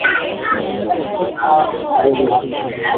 Ngozi kuwa na madoadoa au mabaka magumu